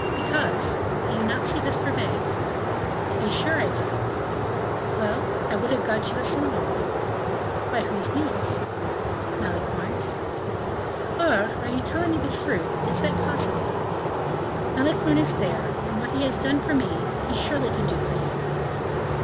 "Because do you not see this brevet?" "To be sure I do." "Well, I would have got you a similar one." "By whose means?" "Malicorne's." "Aure, are you telling the truth? Is that possible?" "Malicorne is there; and what he has done for me, he surely can do for you."